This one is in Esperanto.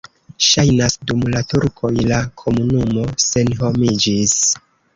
Ŝajnas, dum la turkoj la komunumo senhomiĝis.